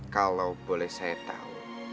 kalau boleh saya tahu